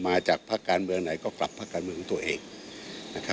มาจากภาคการเมืองไหนก็กลับภาคการเมืองของตัวเอง